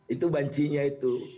itu banci nya itu